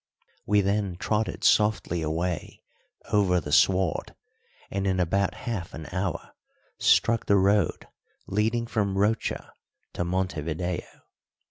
We then trotted softly away over the sward, and in about half an hour struck the road leading from Rocha to Montevideo.